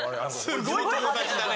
すごい友達だね。